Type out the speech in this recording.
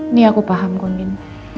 ini aku paham konvin